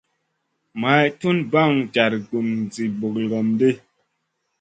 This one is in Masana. May tun ɓaŋ jar gun zi ɓlogom ɗi.